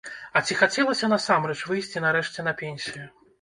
А ці хацелася насамрэч выйсці нарэшце на пенсію?